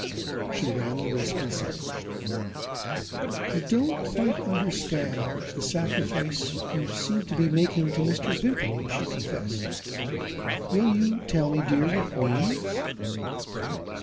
She ran the risk and said it. "I don't quite understand the sacrifice you seem to be making to Mr. Vimpany," she confessed. "Will you tell me, dear, what it means?"